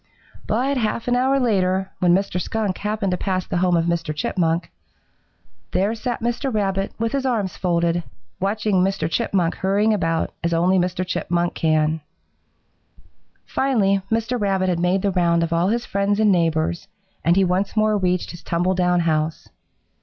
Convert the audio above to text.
"But half an hour later, when Mr. Skunk happened to pass the home of Mr. Chipmunk, there sat Mr. Rabbit with his arms folded, watching Mr. Chipmunk hurrying about as only Mr. Chipmunk can. "Finally Mr. Rabbit had made the round of all his friends and neighbors, and he once more reached his tumble down house.